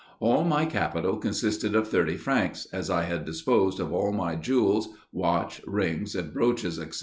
All my capital consisted of thirty francs, as I had disposed of all my jewels, watch, rings, and brooches, &c.